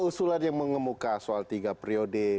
usulan yang mengemuka soal tiga periode